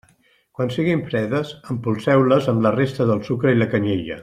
Quan siguin fredes, empolseu-les amb la resta del sucre i la canyella.